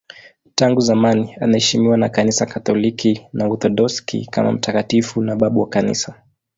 Tangu zamani anaheshimiwa na Kanisa Katoliki na Waorthodoksi kama mtakatifu na babu wa Kanisa.